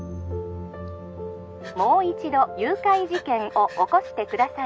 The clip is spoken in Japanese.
☎もう一度誘拐事件を起こしてください